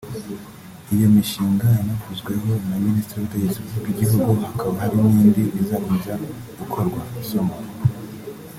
Iyo mishinga yanavuzweho na Minisitiri w’Ubutegetsi bw’Igihugu hakaba hari n’indi izakomeza gukorwa ( Soma